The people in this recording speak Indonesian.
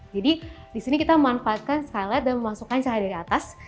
jadi di sini kita memanfaatkan skylight dan memasukkan cahaya dari atas